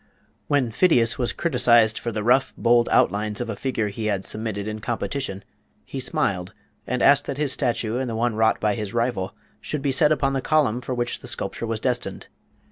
When Phidias was criticised for the rough, bold outlines of a figure he had submitted in competition, he smiled and asked that his statue and the one wrought by his rival should be set upon the column for which the sculpture was destined.